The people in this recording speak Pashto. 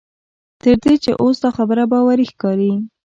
تر دې چې اوس دا خبره باوري ښکاري.